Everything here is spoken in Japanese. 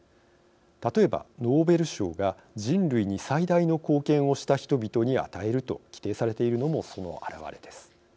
例えばノーベル賞が人類に最大の貢献をした人々に与えると規定されているのもその表れです。